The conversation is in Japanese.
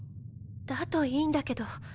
だといいんだけど。